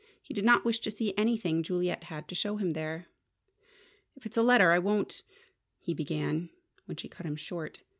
He did not wish to see anything Juliet had to show him there. "If it's a letter, I won't " he had begun when she cut him short.